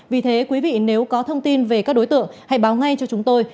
vì thế quý vị nếu có thông tin về các đối tượng hãy báo ngay cho chúng tôi